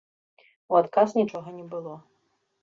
У адказ нічога не было.